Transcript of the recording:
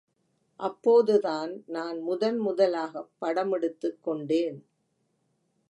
அப்போதுதான் நான் முதன் முதலாகப் படமெடுத்துக் கொண்டேன்.